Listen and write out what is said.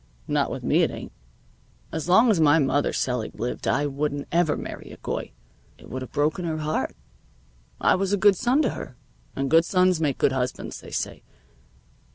"Not with me it ain't. As long as my mother selig lived I wouldn't ever marry a Goy. It would have broken her heart. I was a good son to her, and good sons make good husbands, they say.